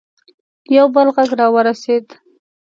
یو بل غږ راورسېد.